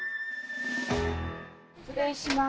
失礼します。